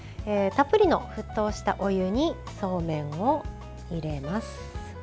たっぷりの沸騰したお湯にそうめんを入れます。